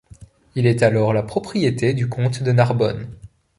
Il est alors la propriété du comte de Narbonne.